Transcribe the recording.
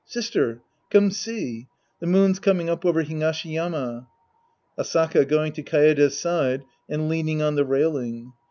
Sister, come see. The moon's coming up over Higashi Yama. Asaka {going to Kaede's side and leaning on the railing).